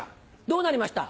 どうなりました？